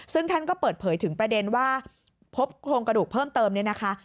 ซึ่งท่านก็เปิดเผยถึงประเด็นว่าพบโครงกระดูกเพิ่มเติมเนี่ยนะคะ